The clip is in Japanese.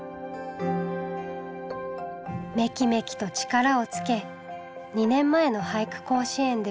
めきめきと力をつけ２年前の俳句甲子園では見事入選。